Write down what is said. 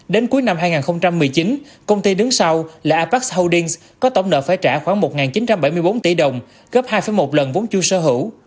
đến cuối năm hai nghìn một mươi chín công ty đứng sau là apac holdings có tổng nợ phải trả khoảng một chín trăm bảy mươi bốn tỷ đồng gấp hai một lần vốn chua sở hữu